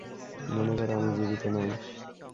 মনে কর, আমি জীবিত নাই।